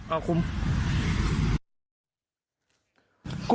เอาคุ้ม